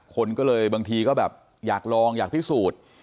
คนก็เลยบางทีก็แบบอยากลองอยากพิสูจน์